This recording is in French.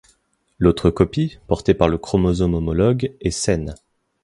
L'autre copie, portée par le chromosome homologue est saine.